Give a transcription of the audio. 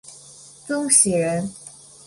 曾铣人。